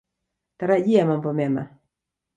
Tarajia mambo mema.